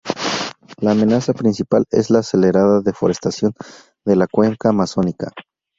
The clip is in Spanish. La amenaza principal es la acelerada deforestación de la Cuenca amazónica.